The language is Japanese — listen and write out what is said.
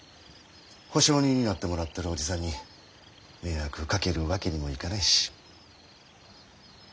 保証人になってもらってる叔父さんに迷惑かけるわけにもいかないし。